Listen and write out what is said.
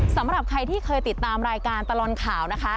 สำหรับใครที่เคยติดตามรายการตลอดข่าวนะคะ